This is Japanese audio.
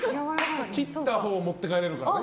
切ったほうを持って帰れるからね。